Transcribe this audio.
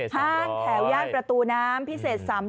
ห้างแถวย่านประตูน้ำพิเศษ๓๗